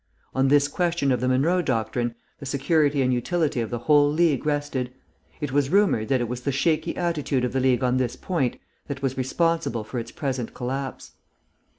On this question of the Monroe Doctrine, the security and utility of the whole League rested.... It was rumoured that it was the shaky attitude of the League on this point that was responsible for its present collapse....